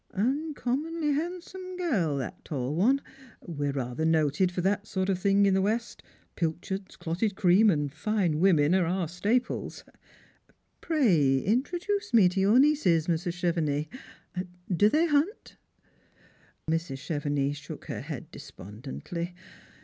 " Uncommonly handsome girl, that tall one. We're rather noted for that sort of thing in the west ; pilchards, clotted cream, and fine women, are our staple. Pray introduce me to your nieces, Mrs. Chevenix. Do they hunt ?" Mrs. Chevenix shook her head despondently.